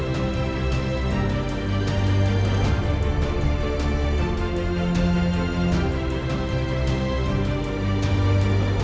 perusahaan terumbu karang di kepulauan maratua